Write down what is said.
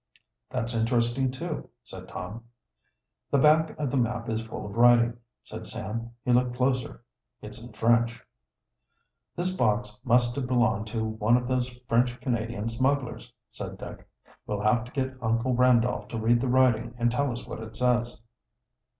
"That's interesting, too," said Tom. "The back of the map is full of writing," said Sam. He looked closer. "It's in French." "This box must have belonged to one of those French Canadian smugglers," said Dick. "We'll have to get Uncle Randolph to read the writing and tell us what it says."